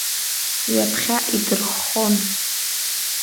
Ҩаԥхьа идырххон.